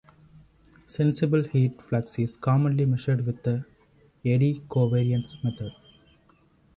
Sensible heat flux is commonly measured with the eddy covariance method.